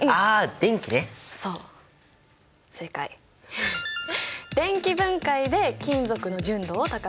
電気分解で金属の純度を高めるんだ。